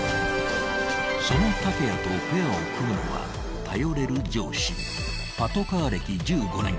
［その竹谷とペアを組むのは頼れる上司パトカー歴１５年